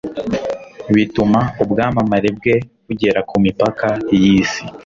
bituma ubwamamare bwe bugera ku mipaka y'isi